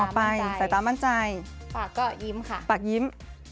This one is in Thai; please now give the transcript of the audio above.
มองออกไปใส่ตามั่นใจปากก็ยิ้มค่ะปากยิ้ม